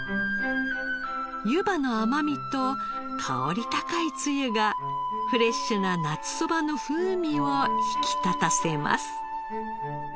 ゆばの甘みと香り高いつゆがフレッシュな夏そばの風味を引き立たせます。